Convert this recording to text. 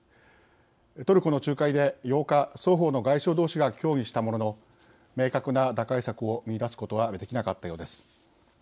トルコの仲介で、８日双方の外相どうしが協議したものの明確な打開策を見いだすことはできなかったようです。